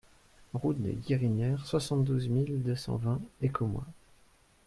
Route des Guérinières, soixante-douze mille deux cent vingt Écommoy